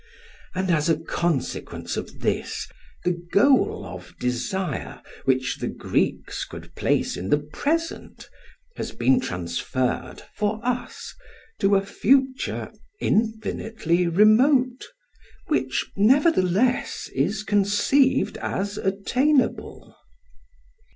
And as a consequence of this the goal of desire which the Greeks could place in the present, has been transferred, for us, to a future infinitely remote, which nevertheless is conceived as attainable.